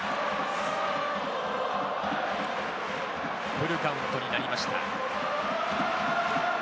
フルカウントになりました。